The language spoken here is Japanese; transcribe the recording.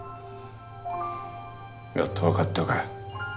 やっと分かったか。